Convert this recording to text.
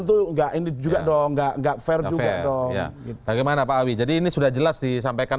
tuh enggak ini juga dong enggak enggak fair bagaimana pak jadi ini sudah jelas disampaikan